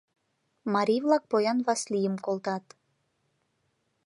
Марий-влак поян Васлийым колтат.